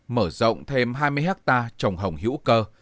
mở rộng thêm hai mươi hectare trồng hồng hữu cơ